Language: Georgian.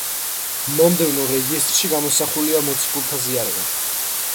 მომდევნო რეგისტრში გამოსახულია მოციქულთა ზიარება.